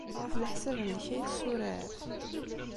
Ɣef leḥsab-nnek, ad iyi-tessuref?